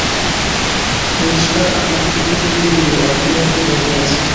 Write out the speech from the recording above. Rooster আমার কৃতকর্ম নিয়ে এখনো রেগে আছে।